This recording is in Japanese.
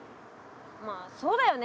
まあそうだよね。